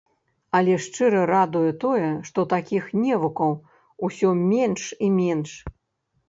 Але шчыра радуе тое, што такіх невукаў усё менш і менш.